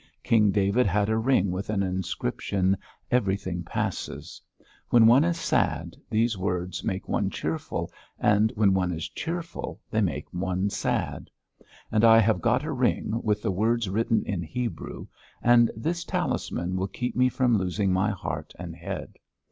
King David had a ring with an inscription: 'Everything passes.' When one is sad, these words make one cheerful; and when one is cheerful, they make one sad. And I have got a ring with the words written in Hebrew, and this talisman will keep me from losing my heart and head.